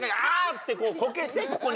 ってこけてここに。